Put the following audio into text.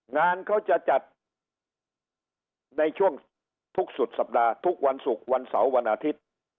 งานเขาจะจัดในช่วงทุกสุดสัปดาห์ทุกวันศุกร์วันเสาร์วันอาทิตย์